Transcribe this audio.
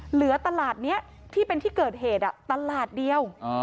เหลือตลาดนี้ที่เป็นที่เกิดเหตุตลาดเดียว